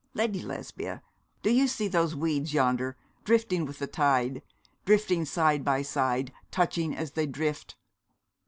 Lady Lesbia, do you see those weeds yonder, drifting with the tide, drifting side by side, touching as they drift?